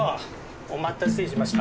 お待たせしました。